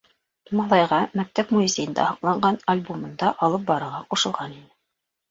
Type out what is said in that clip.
Малайға мәктәп музейында һаҡланған альбомын да алып барырға ҡушылған ине.